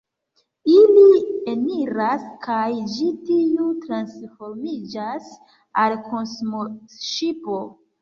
Ili eniras kaj ĝi tuj transformiĝas al kosmoŝipo.